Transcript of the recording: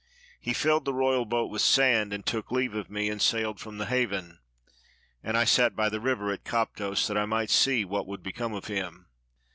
He filled the royal boat with sand, and took leave of me, and sailed fr9m the haven : and I sat by the river at Koptos that I might see what would become of him.